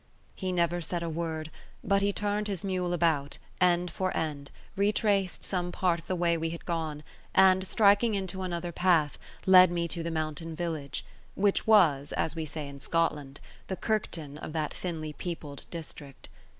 He said never a word, but he turned his mule about, end for end, retraced some part of the way we had gone, and, striking into another path, led me to the mountain village, which was, as we say in Scotland, the kirkton of that thinly peopled district.